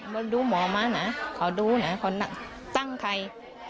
มาดูหมอมานะขอดูนะเขาตั้งใคร